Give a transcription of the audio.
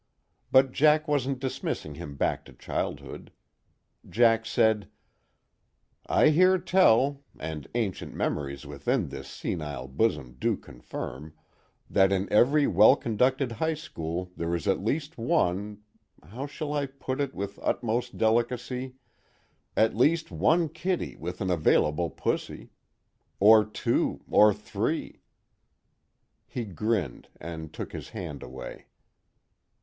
But Jack wasn't dismissing him back to childhood. Jack said: "I hear tell, and ancient memories within this senile bosom do confirm, that in every well conducted high school there is at least one how shall I put it with utmost delicacy? at least one kitty with an available pussy. Or two, or three." He grinned and took his hand away.